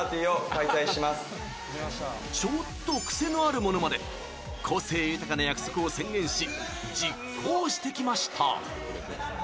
ちょっと癖のあるものまで個性豊かな約束を宣言し実行してきました。